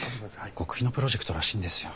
極秘のプロジェクトらしいんですよ。